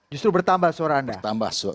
justru bertambah suara anda